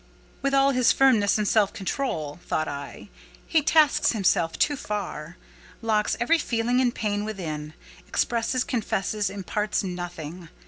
"With all his firmness and self control," thought I, "he tasks himself too far: locks every feeling and pang within—expresses, confesses, imparts nothing.